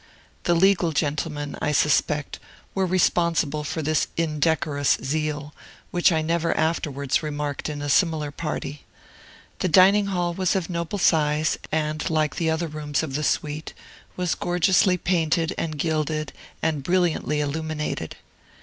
The legal gentlemen, I suspect, were responsible for this indecorous zeal, which I never afterwards remarked in a similar party. The dining hall was of noble size, and, like the other rooms of the suite, was gorgeously painted and gilded and brilliantly illuminated.